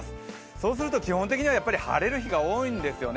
そうすると基本的には晴れる日が多いんですね。